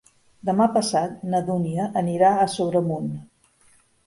Demà passat na Dúnia anirà a Sobremunt.